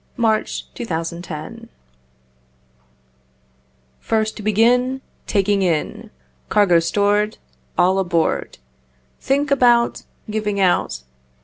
ADVICE TO A YOUNG AUTHOR First begin Taking in. Cargo stored, All aboard, Think about Giving out.